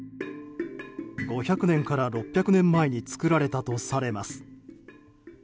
５００年から６００年前に作られたとされます。